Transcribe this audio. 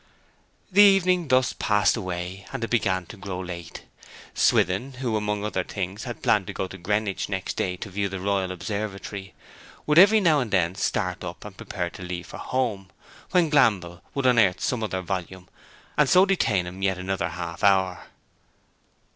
The evening thus passed away, and it began to grow late. Swithin who, among other things, had planned to go to Greenwich next day to view the Royal Observatory, would every now and then start up and prepare to leave for home, when Glanville would unearth some other volume and so detain him yet another half hour.